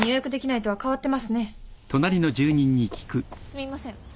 すみません。